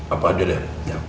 apa ada deh